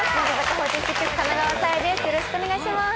よろしくお願いします。